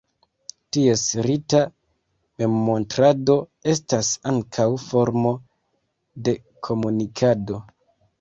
Ties rita memmontrado estas ankaŭ formo de komunikado.